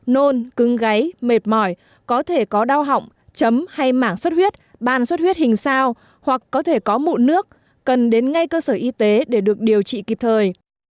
nôn cưng gáy mệt mỏi có thể có đau họng chấm hay mảng xuất huyết ban suốt huyết hình sao hoặc có thể có mụn nước cần đến ngay cơ sở y tế để được điều trị kịp thời